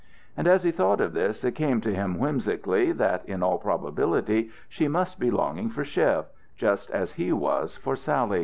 And as he thought of this, it came to him whimsically that in all probability she must be longing for Chev, just as he was for Sally.